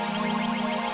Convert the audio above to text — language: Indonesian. semuanya gara gara kamu